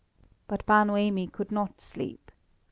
But Bar Noemi could not sleep.